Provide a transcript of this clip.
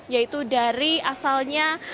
yaitu dari asalnya